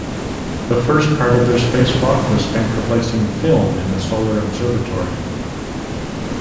The first part of their spacewalk was spent replacing film in the solar observatory.